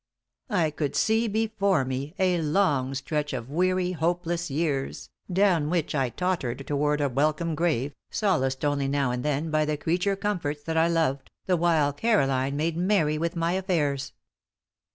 I could see before me a long stretch of weary, hopeless years, down which I tottered toward a welcome grave, solaced only now and then by the creature comforts that I loved, the while Caroline made merry with my affairs.